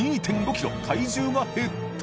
５ｋｇ体重が減った！